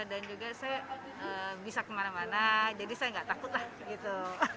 dan juga saya bisa kemana mana jadi saya nggak takut lah gitu